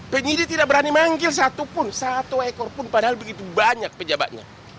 penyidik tidak berani manggil satu pun satu ekor pun padahal begitu banyak penjabatnya